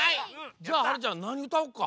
じゃあはるちゃんなにうたおっか？